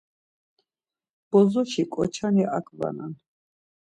Bozoşi ǩoç̌ani anǩvanan.